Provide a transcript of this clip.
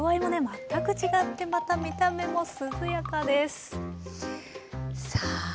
全く違ってまた見た目も涼やかです。さあ。